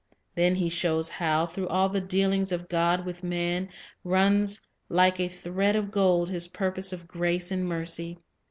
Then he shows how, through all the dealings of God with man, runs like a thread of gold His purpose of grace and mercy.